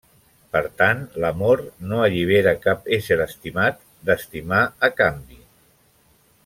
Per tant, l'amor no allibera cap ésser estimat, d'estimar a canvi.